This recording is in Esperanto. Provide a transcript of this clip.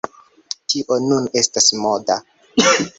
Tio nun estas moda.